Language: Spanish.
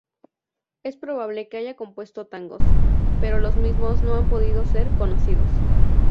Es probable que haya compuesto tangos, pero los mismos no han podido ser conocidos.